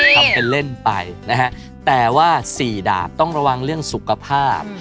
ทำเป็นเล่นไปนะฮะแต่ว่าสี่ดาบต้องระวังเรื่องสุขภาพ